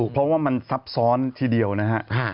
เพราะว่ามันซับซ้อนทีเดียวนะฮะ